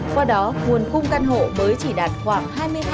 qua đó nguồn khung căn hộ mới chỉ đạt khoảng hai mươi hai